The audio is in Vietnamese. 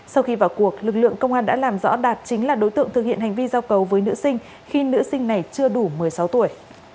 sau khi vào cuộc lực lượng công an đã làm rõ đạt chính là đối tượng thực hiện hành vi giao cầu với nữ sinh khi nữ sinh này chưa đủ một mươi sáu tuổi